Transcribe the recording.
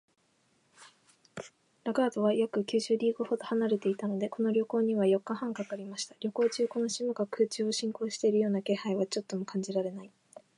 ラガードは約九十リーグほど離れていたので、この旅行には四日半かかりました。旅行中、この島が空中を進行しているような気配はちょっとも感じられない